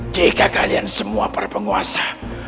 jika kalian semua berpenguasa